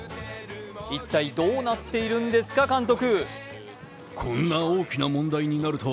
一体どうなってるんですか、監督。